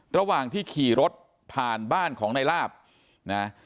ระหว่างที่ขี่รถผ่านบ้านของในลาบนะ